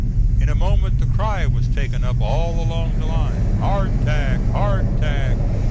In a moment the cry was taken up all along the line, "Hard tack! Hard tack!"